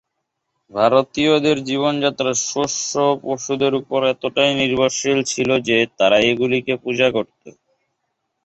ভারতীয়দের জীবনযাত্রা শস্য ও পশুদের উপর এতটাই নির্ভরশীল ছিল যে তারা এগুলিকে পূজা করত।